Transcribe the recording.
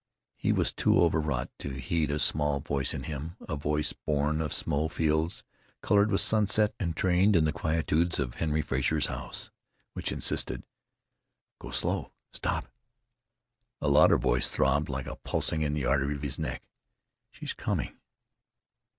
He was too overwrought to heed a small voice in him, a voice born of snow fields colored with sunset and trained in the quietudes of Henry Frazer's house, which insisted: "Go slow! Stop!" A louder voice throbbed like the pulsing of the artery in his neck, "She's coming!"